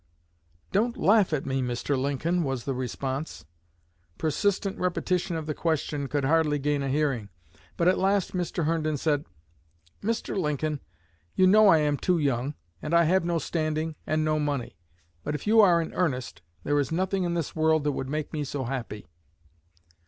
"Don't laugh at me, Mr. Lincoln," was the response. Persistent repetition of the question could hardly gain a hearing; but at last Mr. Herndon said: "Mr. Lincoln, you know I am too young, and I have no standing and no money; but if you are in earnest, there is nothing in this world that would make me so happy."